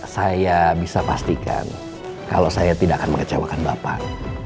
saya bisa pastikan kalau saya tidak akan mengecewakan bapak